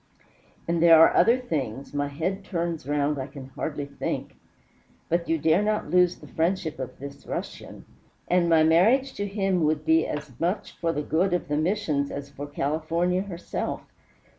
And there are other things my head turns round I can hardly think but you dare not lose the friendship of this Russian. And my marriage to him would be as much for the good of the Missions as for California herself.